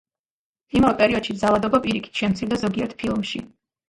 იმავე პერიოდში ძალადობა პირიქით, შემცირდა ზოგიერთ ფილმში.